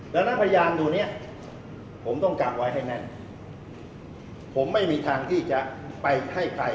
ดังนั้นพยานตัวเนี้ยผมต้องกักไว้ให้แน่นผมไม่มีทางที่จะไปให้ใคร